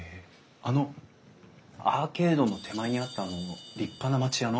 あのアーケードの手前にあったあの立派な町家の？